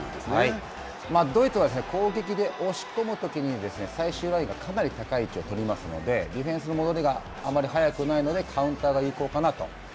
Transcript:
ドイツは攻撃で押し込むときに、最終ラインがかなり高い位置を取りますのでディフェンスの戻りがあまり早くないので、カウンターが有効かなと。